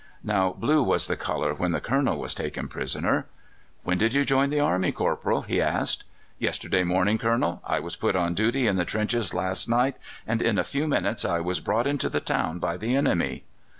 Now, blue was the colour when the Colonel was taken prisoner. "When did you join the army, corporal?" he asked. "Yesterday morning, Colonel. I was put on duty in the trenches last night, and in a few minutes I was brought into the town by the enemy."